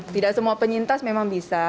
tidak semua penyintas memang bisa